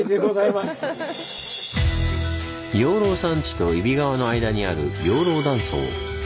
養老山地と揖斐川の間にある養老断層。